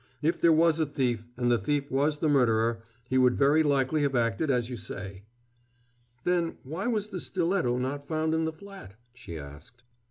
If there was a thief, and the thief was the murderer, he would very likely have acted as you say." "Then, why was the stiletto not found in the flat?" she asked.